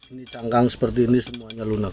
ini cangkang seperti ini semuanya lunak